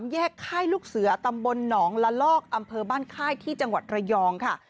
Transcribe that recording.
แยกค่ายลูกเสือตำบลหนองละลอกอำเภอบ้านค่ายที่จังหวัดระยองค่ะ